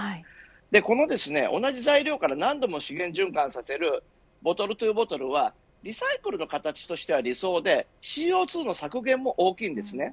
この同じ材料から何度も資源循環させるボトルＴＯボトルはリサイクルの形としては理想でＣＯ２も削減の大きいんです。